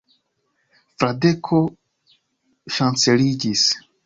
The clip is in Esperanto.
Fradeko ŝanceliĝis.